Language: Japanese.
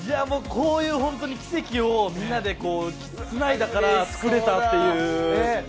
こういう、本当に奇跡をみんなでつないだから作れたという。